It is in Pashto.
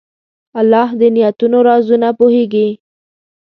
الله د نیتونو رازونه پوهېږي.